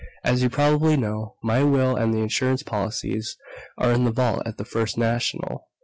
"As you probably know, my will and the insurance policies are in the vault at the First National.